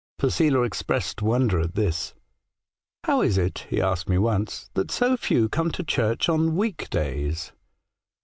Posela expressed wonder at this. ' How is it,' he asked me once, * that so few come to church on week days